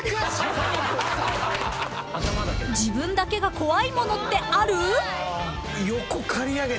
［自分だけが怖いものってある？］